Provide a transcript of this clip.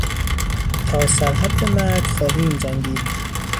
تا سر حد مرگ خواهیم جنگید.